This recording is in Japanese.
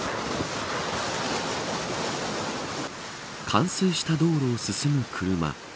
冠水した道路を進む車。